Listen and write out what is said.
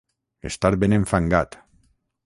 Estar ben enfangat.